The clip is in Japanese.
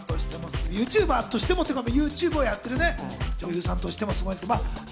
ＹｏｕＴｕｂｅｒとしてもというか、ＹｏｕＴｕｂｅをやっている女優さんとしてもすごいですけど。